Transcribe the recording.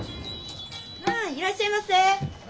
いらっしゃいませ！